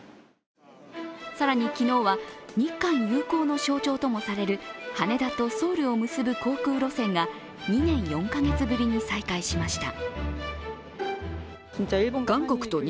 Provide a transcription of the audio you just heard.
更に昨日は日韓友好の象徴ともされる羽田とソウルを結ぶ航空路線が２年４カ月ぶりに再開しました。